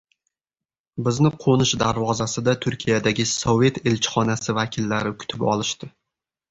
Bizni qo‘nish darvozasida Turkiyadagi Sovet elchixonasi vakillari kutib olishdi.